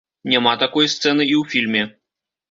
Няма такой сцэны і ў фільме.